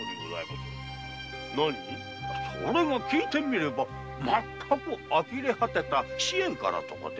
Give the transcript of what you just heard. それが聞いてみれば全くあきれはてた私怨からとかで。